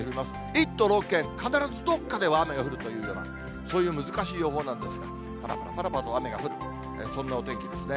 １都６県、必ずどっかでは雨が降るという、そういう難しい予報なんです、ぱらぱらぱらぱらと雨が降る、そんなお天気ですね。